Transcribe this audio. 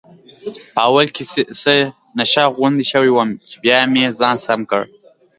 په اول کې څه نشه غوندې شوی وم، چې بیا مې ځان سم کړ.